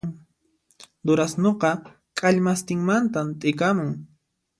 Durasnuqa k'allmastinmantan t'ikamun